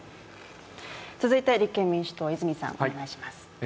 続いて、立憲民主党の泉さんお願いします。